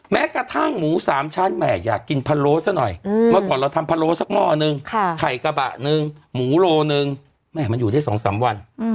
แม้กระทั่งหมู๓ชั้นแห่อยากกินพะโล้ซะหน่อยเมื่อก่อนเราทำพะโล้สักหม้อนึงไข่กระบะนึงหมูโลหนึ่งแม่มันอยู่ได้๒๓วัน